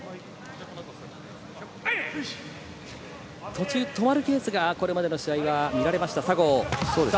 途中、止まるケースがこれまでの試合見られた佐合。